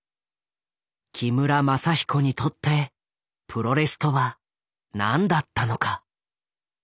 木村政彦にとってプロレスとは何だったのか。